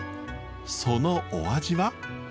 そのお味は？